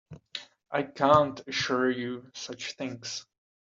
I can't assure you such things.